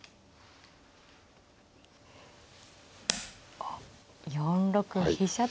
おっ４六飛車と。